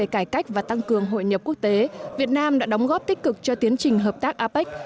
cải cách và tăng cường hội nhập quốc tế việt nam đã đóng góp tích cực cho tiến trình hợp tác apec